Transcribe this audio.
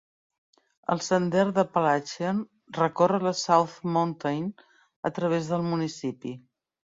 El sender d'Appalachian recorre la South Mountain a través del municipi.